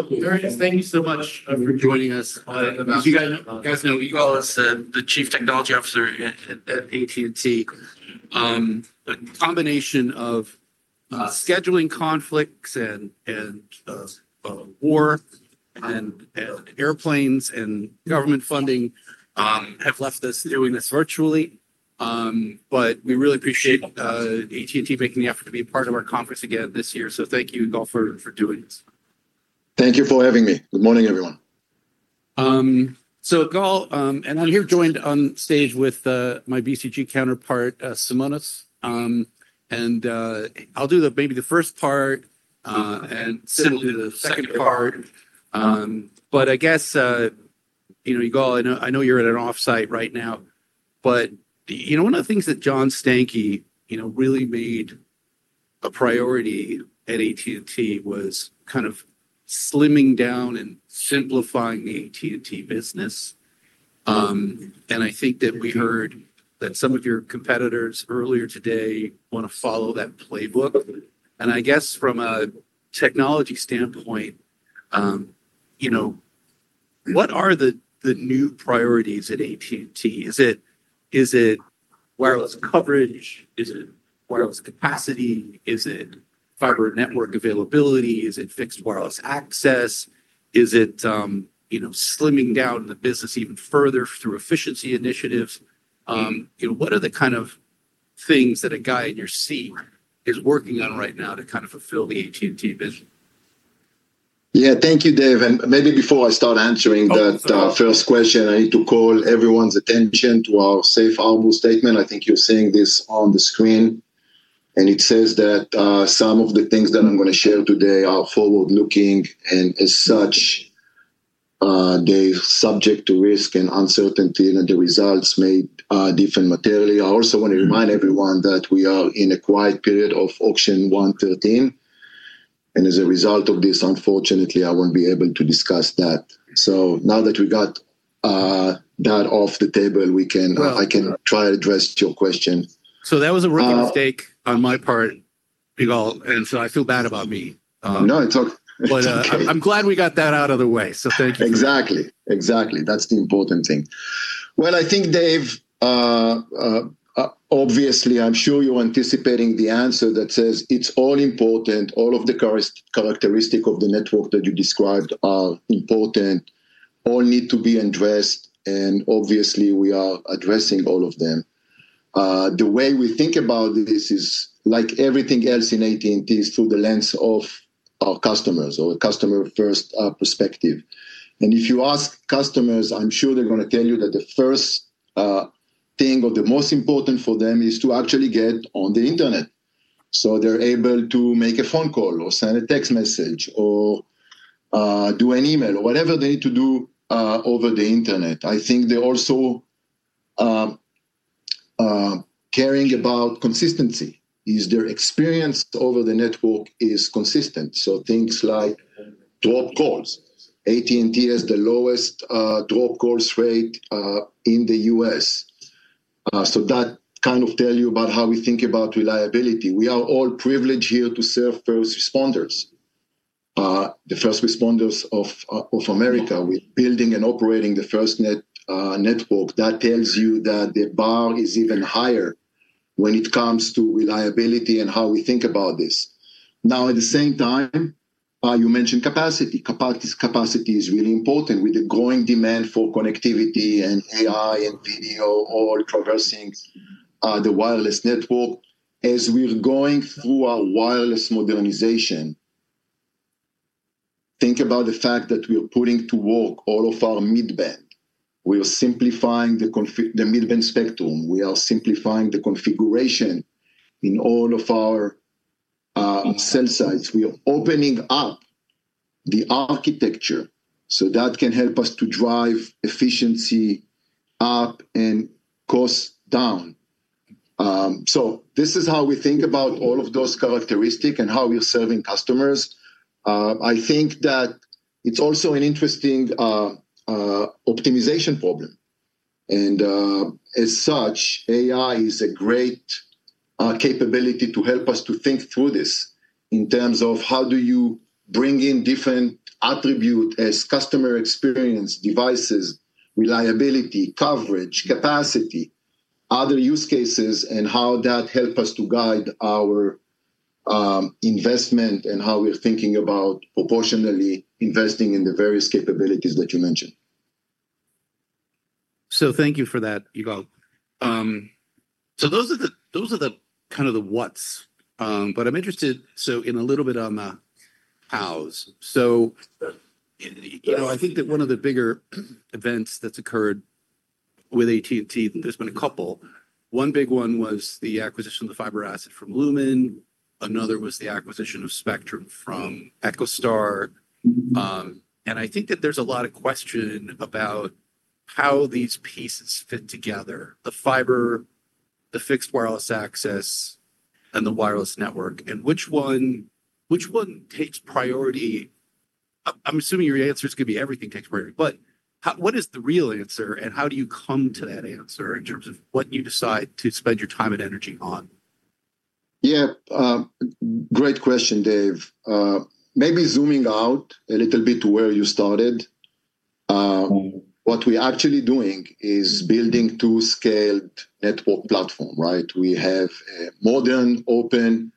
Thank you so much for joining us. As you guys know, Yigal is the Chief Technology Officer at AT&T. A combination of scheduling conflicts and war and airplanes and government funding have left us doing this virtually. We really appreciate AT&T making the effort to be part of our conference again this year. Thank you, Yigal, for doing this. Thank you for having me. Good morning, everyone. Yigal, I'm here joined on stage with my BCG counterpart, Simonas. I'll do maybe the first part, and Sim will do the second part. I guess, you know, Yigal, I know you're at an off-site right now, but, you know, one of the things that John Stankey, you know, really made a priority at AT&T was kind of slimming down and simplifying the AT&T business. I think that we heard that some of your competitors earlier today wanna follow that playbook. I guess from a technology standpoint, you know, what are the new priorities at AT&T? Is it wireless coverage? Is it wireless capacity? Is it fiber network availability? Is it fixed wireless access? Is it, you know, slimming down the business even further through efficiency initiatives? You know, what are the kind of things that a guy in your seat is working on right now to fulfill the AT&T vision? Yeah. Thank you, Dave. Maybe before I start answering that first question, I need to call everyone's attention to our Safe Harbor statement. I think you're seeing this on the screen. It says that some of the things that I'm gonna share today are forward-looking and as such, they're subject to risk and uncertainty, and the results may differ materially. I also want to remind everyone that we are in a quiet period of Auction 113, and as a result of this, unfortunately, I won't be able to discuss that. Now that we got that off the table, we can- Well- I can try to address your question. That was a rookie mistake on my part, Yigal, and so I feel bad about me. No, it's okay. I'm glad we got that out of the way. Thank you. Exactly. That's the important thing. Well, I think, Dave, obviously, I'm sure you're anticipating the answer that says it's all important. All of the characteristic of the network that you described are important. All need to be addressed, and obviously, we are addressing all of them. The way we think about this is like everything else in AT&T, is through the lens of our customers or customer-first perspective. If you ask customers, I'm sure they're gonna tell you that the first thing or the most important for them is to actually get on the Internet. So they're able to make a phone call or send a text message or do an email or whatever they need to do over the Internet. I think they also care about consistency. Is their experience over the network consistent? Things like dropped calls. AT&T has the lowest dropped call rate in the U.S. That kind of tells you about how we think about reliability. We are all privileged here to serve first responders. The first responders of America. We're building and operating the FirstNet network. That tells you that the bar is even higher when it comes to reliability and how we think about this. Now, at the same time, you mentioned capacity. Capacity is really important with the growing demand for connectivity and AI and video all traversing the wireless network. As we're going through our wireless modernization, think about the fact that we are putting to work all of our mid-band. We are simplifying the mid-band spectrum. We are simplifying the configuration in all of our cell sites. We are opening up the architecture so that can help us to drive efficiency up and cost down. So this is how we think about all of those characteristics and how we're serving customers. I think that it's also an interesting optimization problem. As such, AI is a great capability to help us to think through this in terms of how do you bring in different attributes as customer experience, devices, reliability, coverage, capacity, other use cases, and how that helps us to guide our investment and how we're thinking about proportionally investing in the various capabilities that you mentioned. Thank you for that, Yigal. Those are the kind of the what's, but I'm interested in a little bit on the how's. You know, I think that one of the bigger events that's occurred with AT&T, and there's been a couple, one big one was the acquisition of the fiber asset from Lumen. Another was the acquisition of Spectrum from EchoStar. I think that there's a lot of question about how these pieces fit together. The fiber, the Fixed Wireless Access, and the wireless network, and which one takes priority. I'm assuming your answer is gonna be everything takes priority. But how, what is the real answer and how do you come to that answer in terms of what you decide to spend your time and energy on? Yeah. Great question, Dave. Maybe zooming out a little bit to where you started. What we're actually doing is building two scaled network platform, right? We have a modern, open,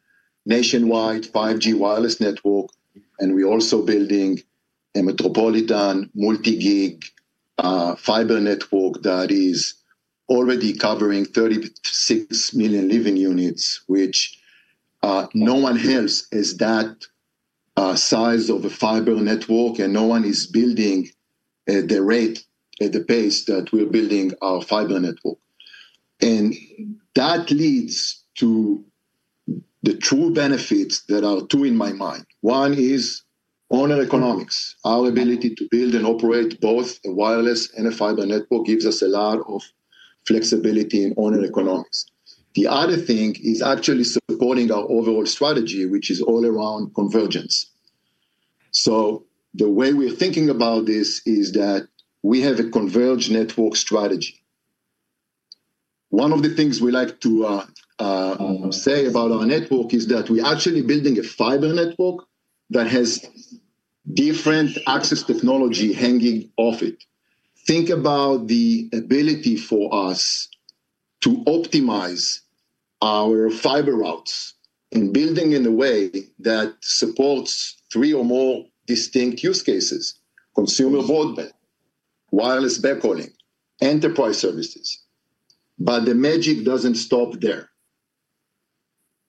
nationwide, 5G wireless network, and we're also building a metropolitan multi-gig fiber network that is already covering 36 million living units, which no one else has that size of a fiber network and no one is building at the pace that we're building our fiber network. That leads to the true benefits that are two in my mind. One is owner economics. Our ability to build and operate both a wireless and a fiber network gives us a lot of flexibility in owner economics. The other thing is actually supporting our overall strategy, which is all around convergence. The way we're thinking about this is that we have a converged network strategy. One of the things we like to say about our network is that we're actually building a fiber network that has different access technology hanging off it. Think about the ability for us to optimize our fiber routes and building in a way that supports three or more distinct use cases, consumer broadband, wireless backhauling, enterprise services. The magic doesn't stop there.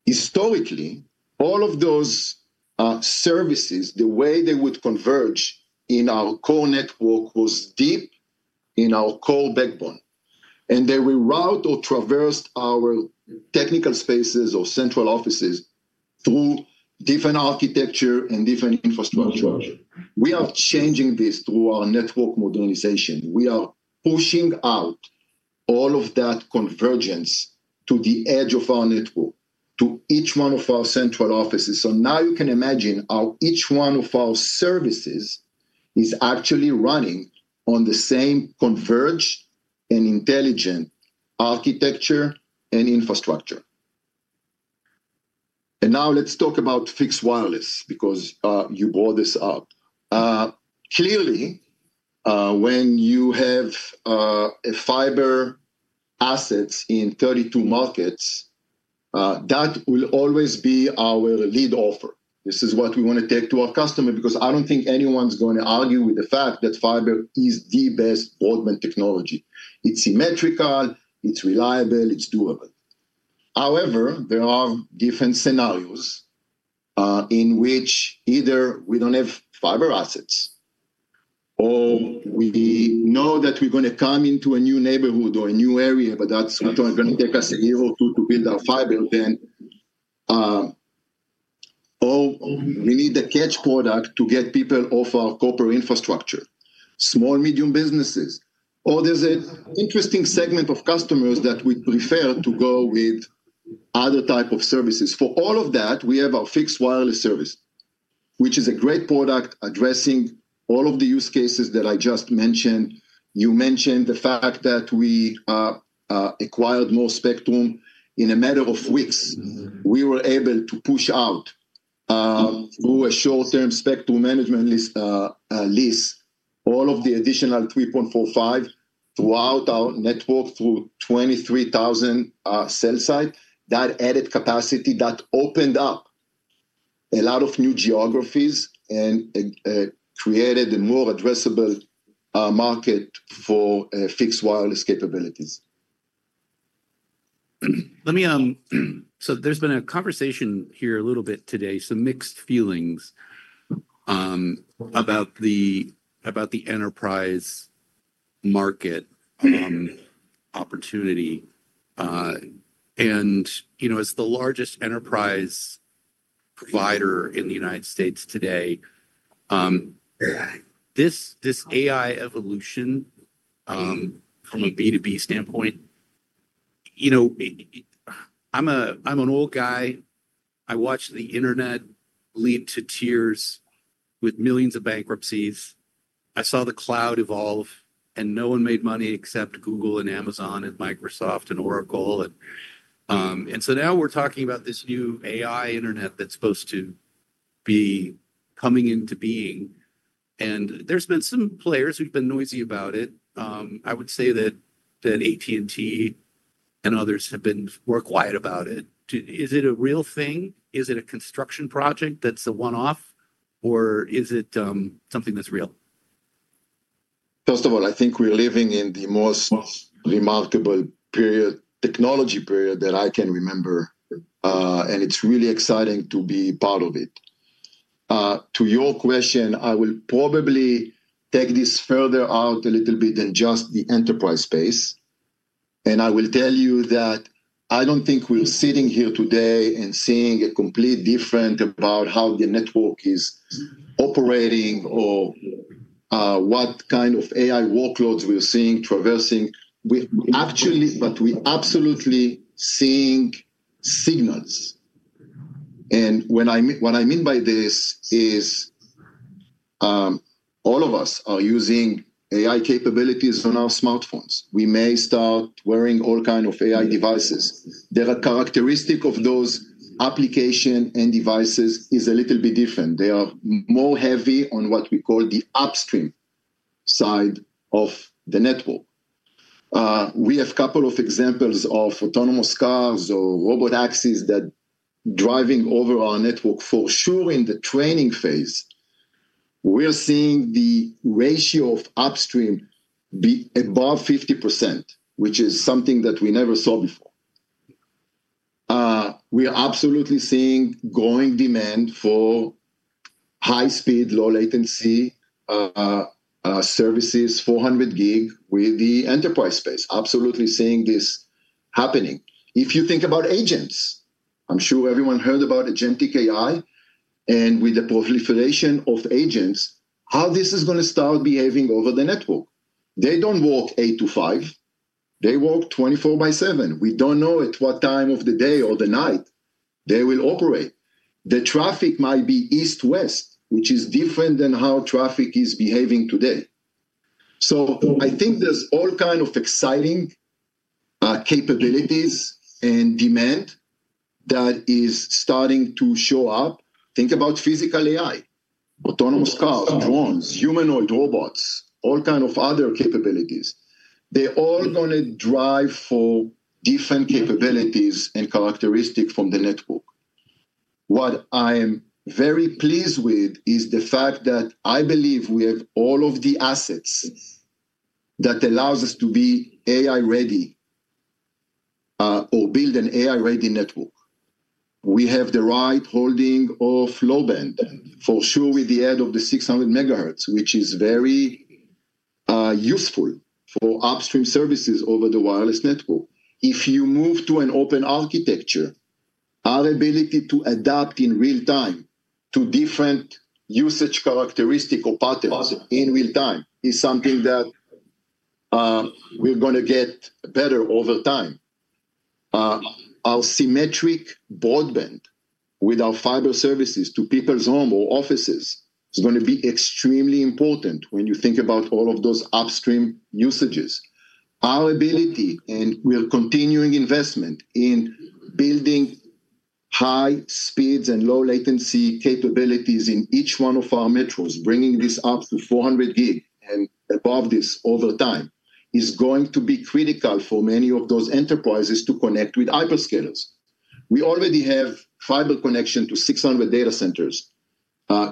Historically, all of those services, the way they would converge in our core network was deep in our core backbone. They reroute or traversed our technical spaces or central offices through different architecture and different infrastructure. We are changing this through our network modernization. We are pushing out all of that convergence to the edge of our network, to each one of our central offices. Now you can imagine how each one of our services is actually running on the same converged and intelligent architecture and infrastructure. Now let's talk about fixed wireless because you brought this up. Clearly, when you have fiber assets in 32 markets, that will always be our lead offer. This is what we wanna take to our customer because I don't think anyone's going to argue with the fact that fiber is the best broadband technology. It's symmetrical, it's reliable, it's doable. However, there are different scenarios in which either we don't have fiber assets, or we know that we're gonna come into a new neighborhood or a new area, but that's going to take us a year or two to build our fiber then, or we need a catch product to get people off our corporate infrastructure, small-medium businesses. There's an interesting segment of customers that would prefer to go with other type of services. For all of that, we have our fixed wireless service, which is a great product addressing all of the use cases that I just mentioned. You mentioned the fact that we acquired more spectrum. In a matter of weeks, we were able to push out through a short-term spectrum management lease all of the additional 3.45 throughout our network through 23,000 cell site. That added capacity, that opened up a lot of new geographies and created a more addressable market for fixed wireless capabilities. There's been a conversation here a little bit today, some mixed feelings about the enterprise market opportunity. You know, as the largest enterprise provider in the United States today, this AI evolution from a B2B standpoint, you know, I'm an old guy. I watched the internet lead to tears with millions of bankruptcies. I saw the cloud evolve, and no one made money except Google and Amazon and Microsoft and Oracle. Now we're talking about this new AI internet that's supposed to be coming into being, and there's been some players who've been noisy about it. I would say that AT&T and others have been more quiet about it. Is it a real thing? Is it a construction project that's a one-off, or is it, something that's real? First of all, I think we're living in the most remarkable period, technology period that I can remember, and it's really exciting to be part of it. To your question, I will probably take this further out a little bit than just the enterprise space. I will tell you that I don't think we're sitting here today and seeing a completely different about how the network is operating or what kind of AI workloads we're seeing traversing. We're absolutely seeing signals. What I mean by this is, all of us are using AI capabilities on our smartphones. We may start wearing all kinds of AI devices. The characteristics of those applications and devices is a little bit different. They are heavier on what we call the upstream side of the network. We have a couple of examples of autonomous cars or robotaxis that driving over our network. For sure, in the training phase, we're seeing the ratio of upstream be above 50%, which is something that we never saw before. We are absolutely seeing growing demand for high speed, low latency, services, 400G with the enterprise space. Absolutely seeing this happening. If you think about agents, I'm sure everyone heard about agentic AI, and with the proliferation of agents, how this is gonna start behaving over the network. They don't work 8:00 AM to 5: PM, they work 24/7. We don't know at what time of the day or the night they will operate. The traffic might be east-west, which is different than how traffic is behaving today. I think there's all kind of exciting capabilities and demand that is starting to show up. Think about physical AI, autonomous cars, drones, humanoid robots, all kind of other capabilities. They're all gonna drive for different capabilities and characteristics from the network. What I am very pleased with is the fact that I believe we have all of the assets that allows us to be AI-ready or build an AI-ready network. We have the right holding of low band, for sure with the aid of the 600 MHz, which is very useful for upstream services over the wireless network. If you move to an open architecture, our ability to adapt in real time to different usage characteristic or patterns in real time is something that we're gonna get better over time. Our symmetric broadband with our fiber services to people's home or offices is gonna be extremely important when you think about all of those upstream usages. Our ability and we're continuing investment in building high speeds and low latency capabilities in each one of our metros, bringing this up to 400 G and above this over time, is going to be critical for many of those enterprises to connect with hyperscalers. We already have fiber connection to 600 data centers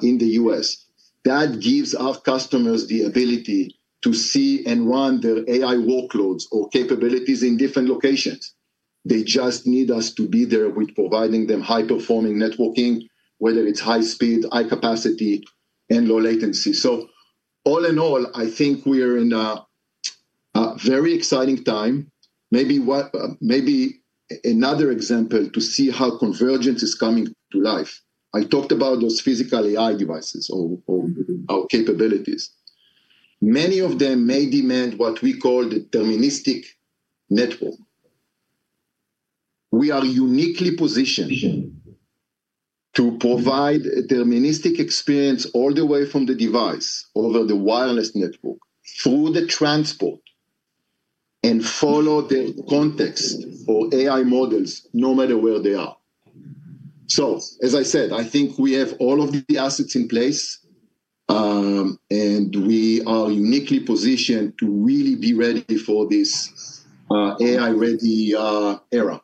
in the U.S. That gives our customers the ability to see and run their AI workloads or capabilities in different locations. They just need us to be there with providing them high-performing networking, whether it's high speed, high capacity, and low latency. All in all, I think we're in a very exciting time. Maybe another example to see how convergence is coming to life. I talked about those physical AI devices or our capabilities. Many of them may demand what we call deterministic network. We are uniquely positioned to provide a deterministic experience all the way from the device over the wireless network, through the transport, and follow the context for AI models no matter where they are. As I said, I think we have all of the assets in place, and we are uniquely positioned to really be ready for this, AI-ready, era.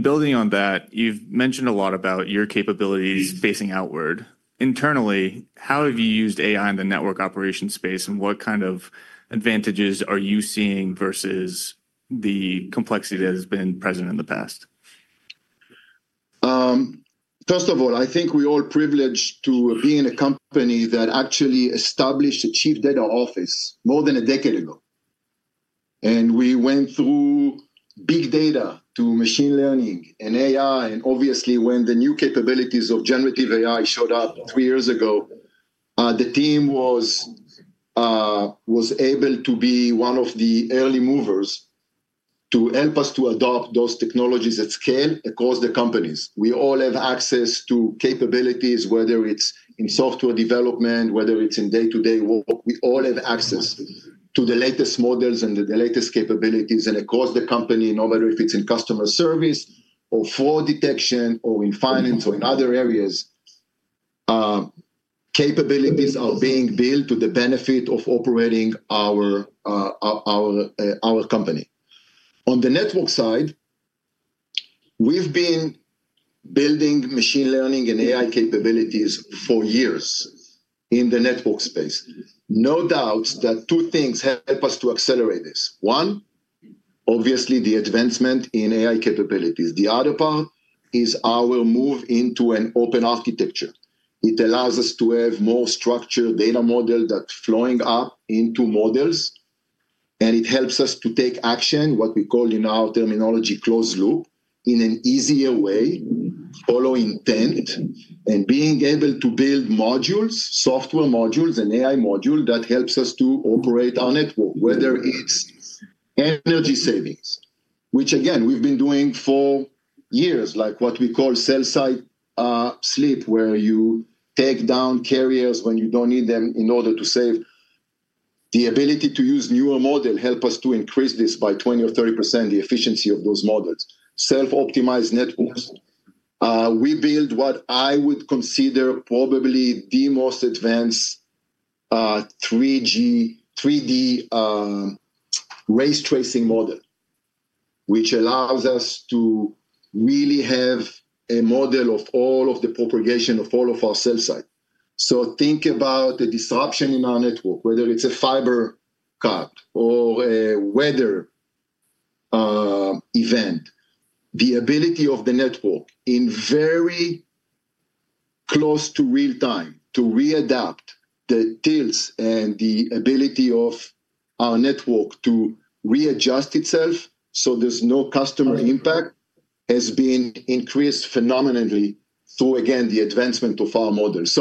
Building on that, you've mentioned a lot about your capabilities facing outward. Internally, how have you used AI in the network operation space, and what kind of advantages are you seeing versus the complexity that has been present in the past? First of all, I think we're all privileged to be in a company that actually established a Chief Data Office more than a decade ago. We went through big data to machine learning and AI, and obviously, when the new capabilities of generative AI showed up three years ago, the team was able to be one of the early movers to help us to adopt those technologies at scale across the companies. We all have access to capabilities, whether it's in software development, whether it's in day-to-day work. We all have access to the latest models and the latest capabilities. Across the company, no matter if it's in customer service or fraud detection or in finance or in other areas, capabilities are being built to the benefit of operating our company. On the network side, we've been building machine learning and AI capabilities for years in the network space. No doubt that two things help us to accelerate this. One, obviously the advancement in AI capabilities. The other part is our move into an open architecture. It allows us to have more structured data model that's flowing up into models, and it helps us to take action, what we call in our terminology, closed loop, in an easier way, follow intent, and being able to build modules, software modules and AI module that helps us to operate our network, whether it's energy savings, which again, we've been doing for years, like what we call cell site sleep, where you take down carriers when you don't need them in order to save. The ability to use newer model help us to increase this by 20% or 30% the efficiency of those models. Self-optimized networks. We build what I would consider probably the most advanced 3D ray-tracing model, which allows us to really have a model of all of the propagation of all of our cell site. Think about the disruption in our network, whether it's a fiber cut or a weather event. The ability of the network in very close to real time to readapt the cells and the ability of our network to readjust itself so there's no customer impact has been increased phenomenally through, again, the advancement of our models.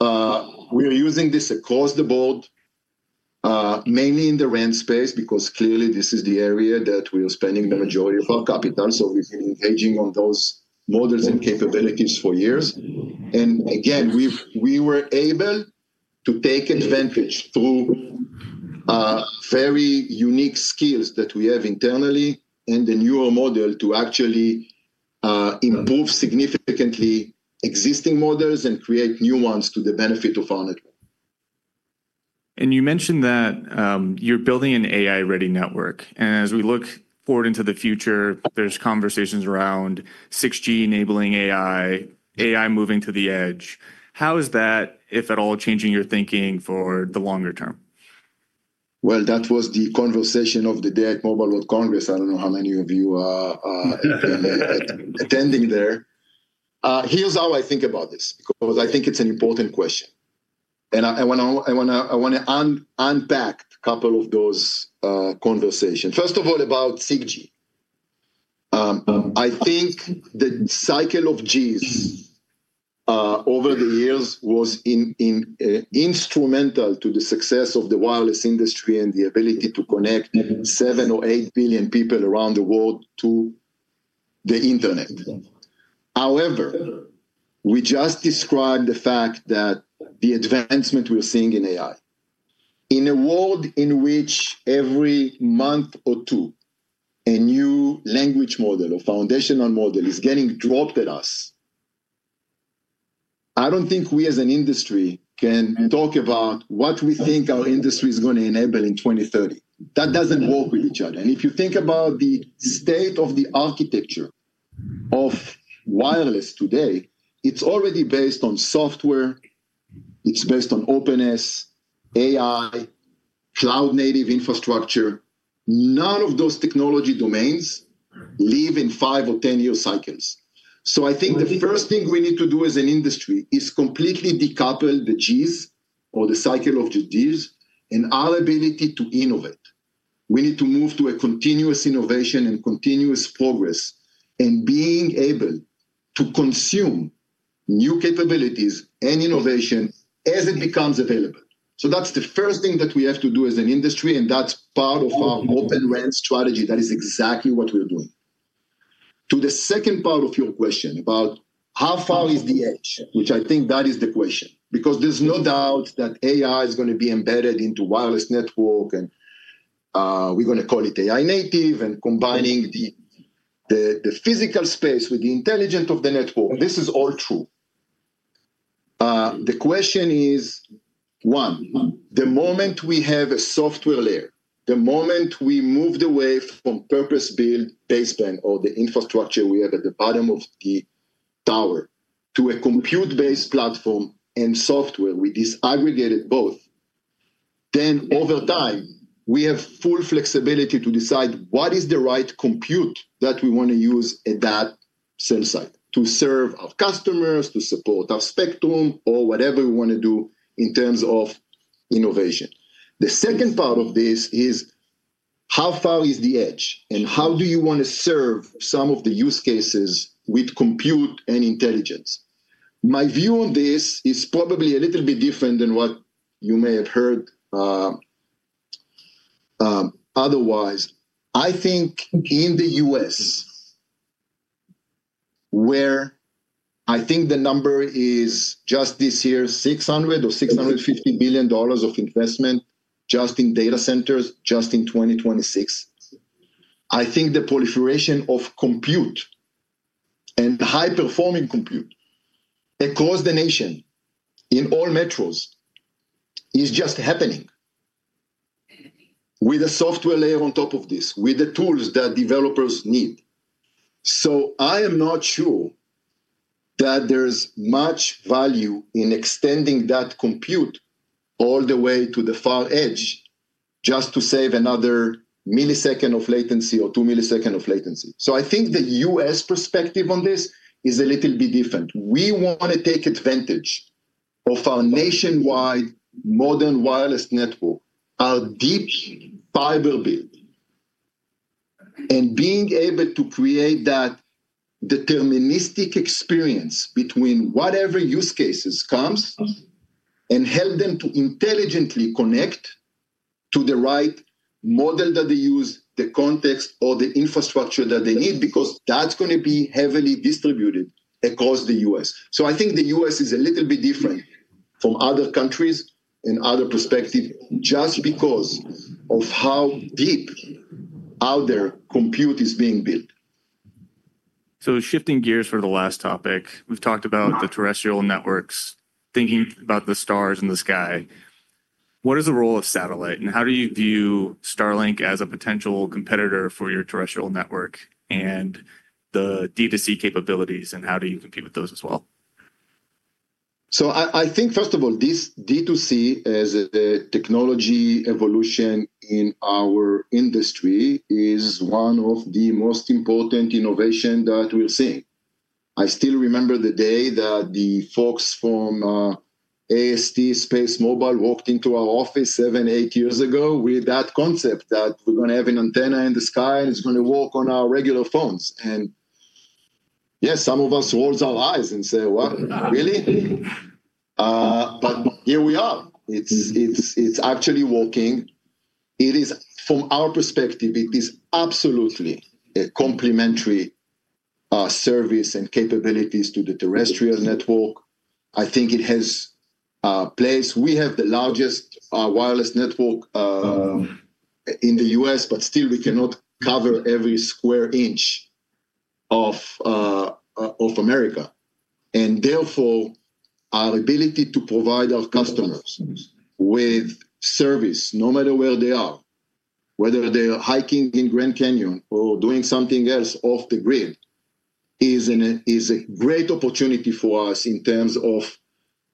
We are using this across the board, mainly in the RAN space because clearly this is the area that we are spending the majority of our capital, so we've been engaging on those models and capabilities for years. Again, we were able to take advantage through very unique skills that we have internally and the newer model to actually improve significantly existing models and create new ones to the benefit of our network. You mentioned that you're building an AI-ready network. As we look forward into the future, there's conversations around 6G enabling AI moving to the edge. How is that, if at all, changing your thinking for the longer term? Well, that was the conversation of the day at Mobile World Congress. I don't know how many of you are attending there. Here's how I think about this because I think it's an important question. I wanna unpack a couple of those conversations. First of all, about 6G. I think the cycle of Gs over the years was instrumental to the success of the wireless industry and the ability to connect 7 million or 8 billion people around the world to the Internet. However, we just described the fact that the advancement we're seeing in AI. In a world in which every month or two a new language model or foundational model is getting dropped at us, I don't think we as an industry can talk about what we think our industry is gonna enable in 2030. That doesn't work with each other. If you think about the state of the architecture of wireless today, it's already based on software, it's based on openness, AI, cloud native infrastructure. None of those technology domains live in five- or 10-year cycles. I think the first thing we need to do as an industry is completely decouple the Gs or the cycle of the Gs and our ability to innovate. We need to move to a continuous innovation and continuous progress in being able to consume new capabilities and innovation as it becomes available. That's the first thing that we have to do as an industry, and that's part of our Open RAN strategy. That is exactly what we're doing. To the second part of your question about how far is the edge, which I think that is the question, because there's no doubt that AI is gonna be embedded into wireless network and, we're gonna call it AI native and combining the the physical space with the intelligence of the network. This is all true. The question is, one, the moment we have a software layer, the moment we move away from purpose-built baseband or the infrastructure we have at the bottom of the tower to a compute-based platform and software, we disaggregate it both. Over time, we have full flexibility to decide what is the right compute that we wanna use at that cell site to serve our customers, to support our spectrum or whatever we wanna do in terms of innovation. The second part of this is how far is the edge and how do you wanna serve some of the use cases with compute and intelligence? My view on this is probably a little bit different than what you may have heard, otherwise. I think in the U.S., where I think the number is just this year, $600 billion or $650 billion of investment just in data centers, just in 2026. I think the proliferation of compute and high-performing compute across the nation in all metros is just happening with a software layer on top of this, with the tools that developers need. I am not sure that there's much value in extending that compute all the way to the far edge just to save another millisecond of latency or 2 ms of latency. I think the U.S. perspective on this is a little bit different. We wanna take advantage of our nationwide modern wireless network, our deep fiber build and being able to create that deterministic experience between whatever use cases comes and help them to intelligently connect to the right model that they use, the context or the infrastructure that they need, because that's gonna be heavily distributed across the U.S. I think the U.S. is a little bit different from other countries and other perspective just because of how deep our edge compute is being built. Shifting gears for the last topic. We've talked about the terrestrial networks, thinking about the stars and the sky. What is the role of satellite, and how do you view Starlink as a potential competitor for your terrestrial network and the D2C capabilities, and how do you compete with those as well? I think, first of all, this D2C as a technology evolution in our industry is one of the most important innovation that we're seeing. I still remember the day that the folks from AST SpaceMobile walked into our office seven, eight years ago with that concept that we're gonna have an antenna in the sky, and it's gonna work on our regular phones. Yes, some of us rolls our eyes and say, "What? Really?" Here we are. It's actually working. It is from our perspective. It is absolutely a complementary service and capabilities to the terrestrial network. I think it has a place. We have the largest wireless network in the U.S., but still we cannot cover every square inch of America. Therefore, our ability to provide our customers with service no matter where they are, whether they are hiking in Grand Canyon or doing something else off the grid, is a great opportunity for us in terms of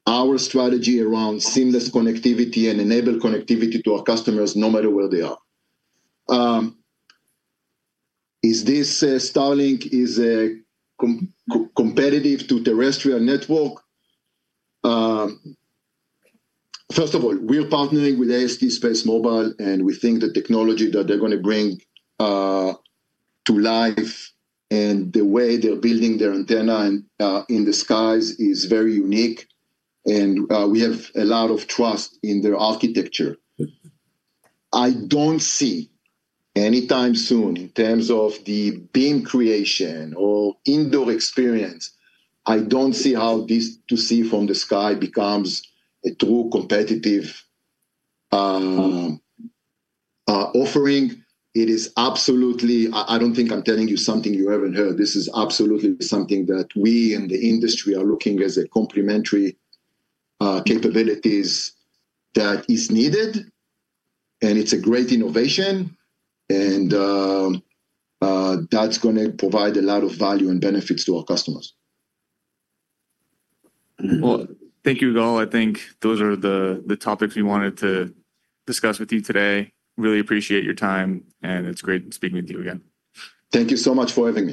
our strategy around seamless connectivity and enable connectivity to our customers no matter where they are. Is Starlink a competitive to terrestrial network? First of all, we are partnering with AST SpaceMobile, and we think the technology that they're gonna bring to life and the way they're building their antenna in the skies is very unique and we have a lot of trust in their architecture. I don't see any time soon in terms of the beam creation or indoor experience, I don't see how D2C from the sky becomes a true competitive offering. It is absolutely. I don't think I'm telling you something you haven't heard. This is absolutely something that we in the industry are looking as a complementary capabilities that is needed, and it's a great innovation and that's gonna provide a lot of value and benefits to our customers. Well, thank you, Yigal. I think those are the topics we wanted to discuss with you today. Really appreciate your time, and it's great speaking with you again. Thank you so much for having me.